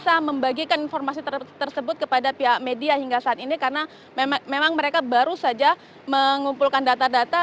saya membagikan informasi tersebut kepada pihak media hingga saat ini karena memang mereka baru saja mengumpulkan data data